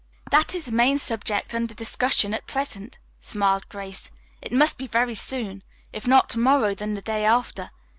"That is the main subject under discussion at present," smiled Grace. "It must be very soon. If not to morrow, then the day after.